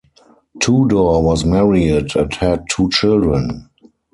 Tudor was married and had two children.